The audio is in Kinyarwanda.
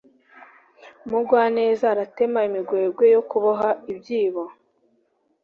Umugwaneza aratema imigwegwe yo kuboha ibyibo